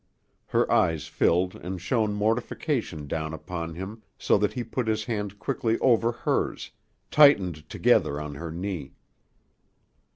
Her eyes filled and shone mortification down upon him so that he put his hand quickly over hers, tightened together on her knee.